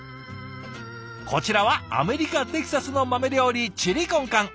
こちらはアメリカ・テキサスの豆料理チリコンカン。